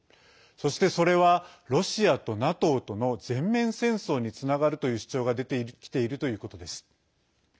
そして、それはロシアとＮＡＴＯとの全面戦争につながるという主張が出てきているということです。